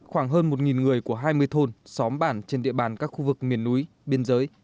khoảng hơn một người của hai mươi thôn xóm bản trên địa bàn các khu vực miền núi biên giới